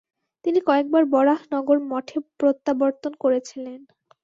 তিনি কয়েকবার বরাহনগর মঠে প্রত্যাবর্তন করেছিলেন।